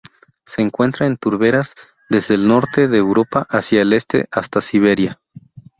Se encuentra en turberas desde el norte de Europa hacia el este hasta Siberia.